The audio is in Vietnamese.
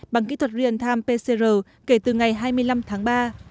bằng kỹ thuật real time pcr kể từ ngày hai mươi năm tháng ba